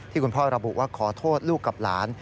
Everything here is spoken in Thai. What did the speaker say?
คุณพ่อระบุว่าขอโทษลูกกับหลาน